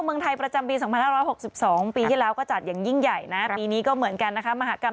เมืองไทยประจำปีสองพันห้าร้อยหกสิบสองครั้งที่สามสิบเก้านะคะ